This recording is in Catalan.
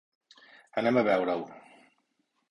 Anem a veure-ho!